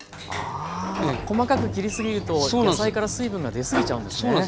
あ細かく切りすぎると野菜から水分が出すぎちゃうんですね。